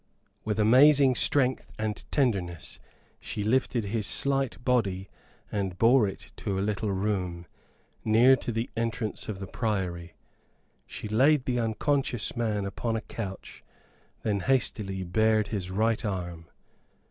With amazing strength and tenderness she lifted his slight body and bore it to a little room, near to the entrance of the Priory. She laid the unconscious man upon a couch, then hastily bared his right arm.